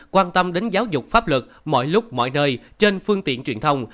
quan tâm đến giáo dục pháp luật mọi lúc mọi nơi trên phương tiện truyền thông